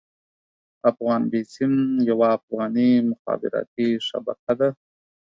افغان بيسيم يوه افغاني مخابراتي شبکه ده.